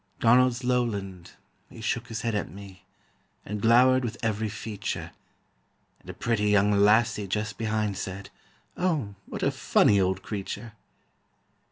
Donald's lowland, he shook his head at me, And glowered with every feature, And a pretty young lassie just behind Said: "Oh, what a funny old creature!"